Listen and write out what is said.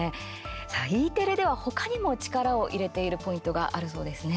さあ、Ｅテレでは他にも力を入れているポイントがあるそうですね。